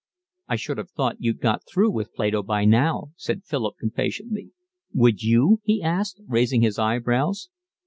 "I should have thought you'd got through with Plato by now," said Philip impatiently. "Would you?" he asked, raising his eyebrows.